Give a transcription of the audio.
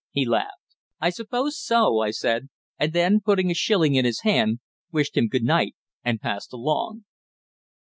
he laughed. "I suppose so," I said, and then, putting a shilling in his hand, wished him good night, and passed along.